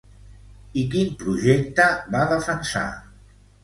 I quin projecte va defensar?